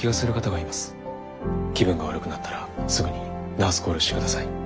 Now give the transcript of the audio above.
気分が悪くなったらすぐにナースコールしてください。